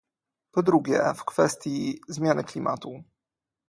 Po drugie, w kwestii zmiany klimatu